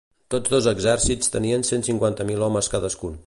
Tots dos exèrcits tenien cent cinquanta mil homes cadascun.